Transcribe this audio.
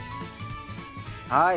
はい。